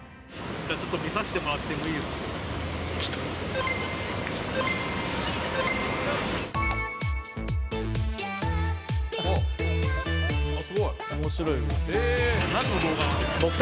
ちょっと見させてもらってもちょっと。